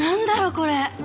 これ。